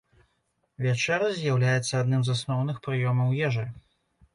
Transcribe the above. Вячэра з'яўляецца адным з асноўных прыёмаў ежы.